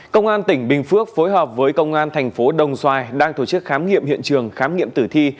công an tỉnh bình phước phối hợp với công an thành phố đồng xoài đang tổ chức khám nghiệm hiện trường khám nghiệm tử thi